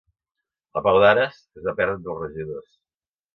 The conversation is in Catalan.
La pau d'Ares, que es va perdre entre els regidors.